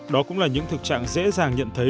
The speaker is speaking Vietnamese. đó cũng là những thực trạng dễ dàng nhận thấy